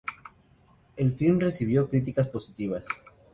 El film recibió críticas positivas.